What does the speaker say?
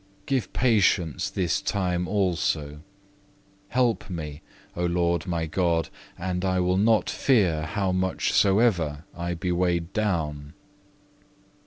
Give patience this time also. Help me, O Lord my God, and I will not fear how much soever I be weighed down.